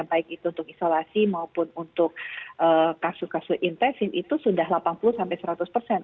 baik itu untuk isolasi maupun untuk kasus kasus intensif itu sudah delapan puluh sampai seratus persen